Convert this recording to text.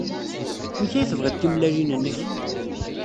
Amek ay tebɣiḍ timellalin-nnek?